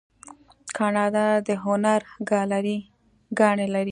کاناډا د هنر ګالري ګانې لري.